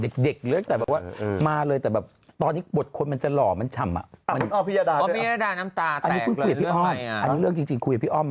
เขาเป็นหลายคุณอามพี่บู๋นไหม